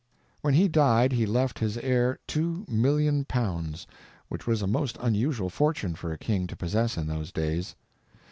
When he died he left his heir 2,000,000 pounds, which was a most unusual fortune for a king to possess in those days.